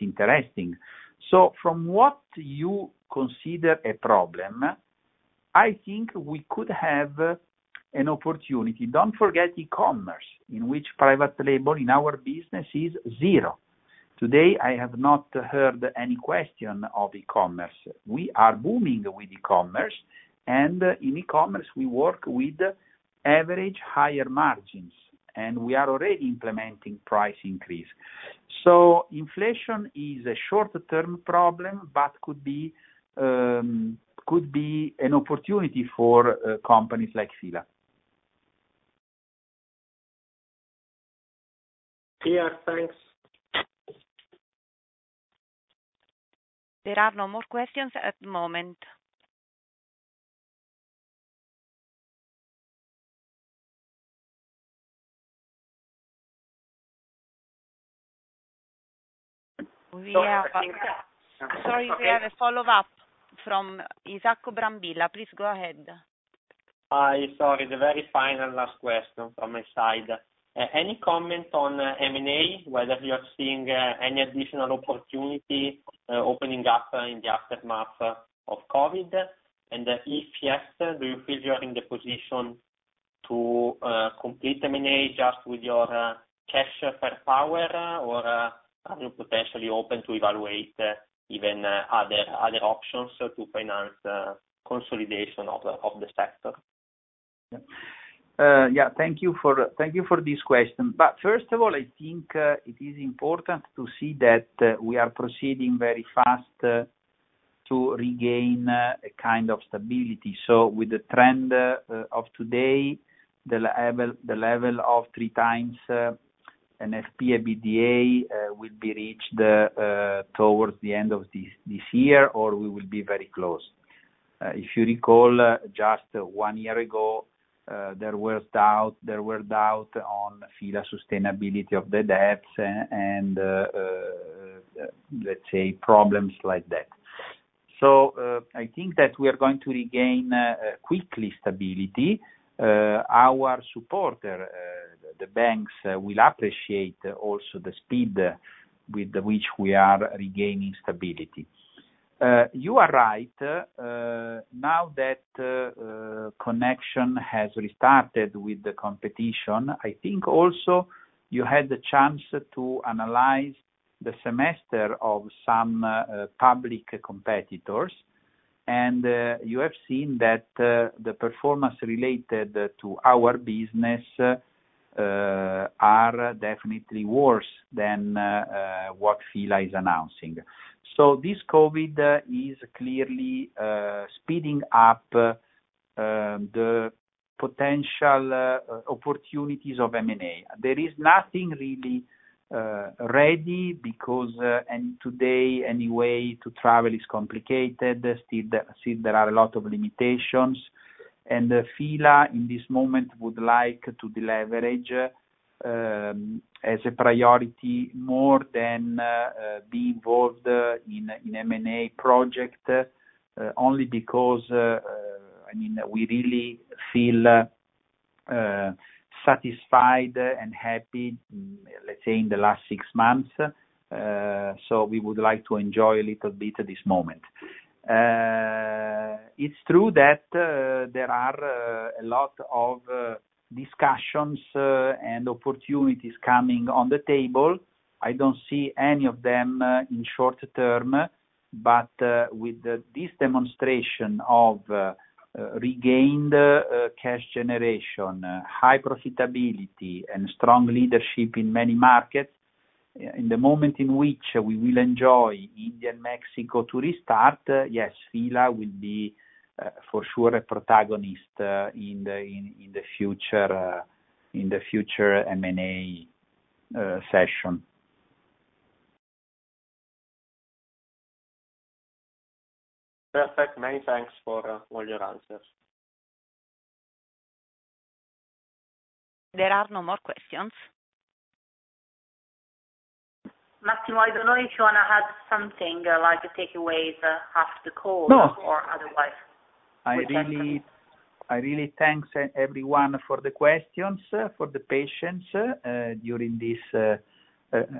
interesting. From what you consider a problem, I think we could have an opportunity. Don't forget e-commerce, in which private label in our business is zero. Today, I have not heard any question of e-commerce. We are booming with e-commerce, and in e-commerce, we work with average higher margins, and we are already implementing price increase. Inflation is a short-term problem, but could be an opportunity for companies like F.I.L.A. Clear. Thanks. There are no more questions at the moment. We have a follow-up from Isacco Brambilla. Please go ahead. Hi. Sorry, the very final last question from my side. Any comment on M&A, whether you are seeing any additional opportunity opening up in the aftermath of COVID? If yes, do you feel you are in the position to complete M&A just with your cash firepower, or are you potentially open to evaluate even other options to finance consolidation of the sector. Yeah. Thank you for this question. First of all, I think it is important to see that we are proceeding very fast to regain a kind of stability. With the trend of today, the level of 3x an NFP EBITDA will be reached towards the end of this year, or we will be very close. If you recall, just 1 year ago, there were doubt on F.I.L.A. sustainability of the debts and, let's say, problems like that. I think that we are going to regain quickly stability. Our supporter, the banks, will appreciate also the speed with which we are regaining stability. You are right. Now that connection has restarted with the competition, I think also you had the chance to analyze the semester of some public competitors. You have seen that the performance related to our business are definitely worse than what F.I.L.A. is announcing. This COVID is clearly speeding up the potential opportunities of M&A. There is nothing really ready because today anyway to travel is complicated, still there are a lot of limitations. F.I.L.A., in this moment, would like to deleverage as a priority more than be involved in M&A project, only because we really feel satisfied and happy, let's say, in the last six months. We would like to enjoy a little bit this moment. It's true that there are a lot of discussions and opportunities coming on the table. I don't see any of them in short term, but with this demonstration of regained cash generation, high profitability, and strong leadership in many markets, in the moment in which we will enjoy India and Mexico to restart, yes, F.I.L.A. will be for sure a protagonist in the future M&A session. Perfect. Many thanks for all your answers. There are no more questions. Massimo, I don't know if you want to add something, like takeaways after the call. No or otherwise. I really thank everyone for the questions, for the patience during this.